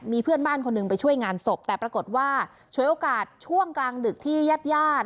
มีเพื่อนบ้านคนหนึ่งไปช่วยงานศพแต่ปรากฏว่าฉวยโอกาสช่วงกลางดึกที่ญาติญาติ